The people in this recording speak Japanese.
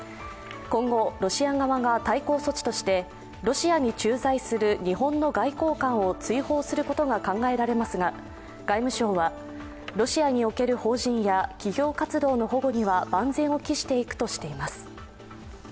今後、ロシア側が対抗措置としてロシアに駐在する日本の外交官を追放することが考えられますが外務省は、ロシアにおける法人や企業活動の保護には